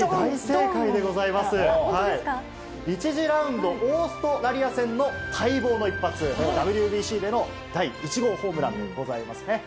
１次ラウンド、オーストラリア戦の待望の一発、ＷＢＣでの第１号ホームランでございますね。